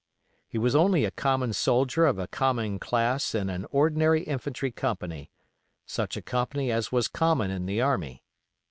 He was only a common soldier of a common class in an ordinary infantry company, such a company as was common in the army.